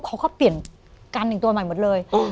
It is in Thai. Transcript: เขาก็เปลี่ยนกันอีกตัวใหม่หมดเลย